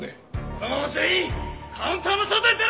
そのまま全員カウンターの外へ出ろ！